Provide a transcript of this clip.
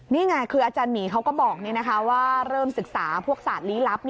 นี่ไงคืออาจารย์หมีเขาก็บอกว่าเริ่มศึกษาพวกศาสตร์ลี้ลับ